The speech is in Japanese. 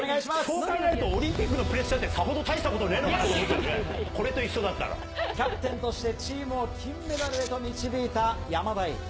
そう考えると、オリンピックのプレッシャーってさほど大したことねぇのかと思っキャプテンとしてチームを金メダルへと導いた山田恵里。